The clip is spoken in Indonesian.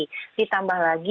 jadi ditambah lagi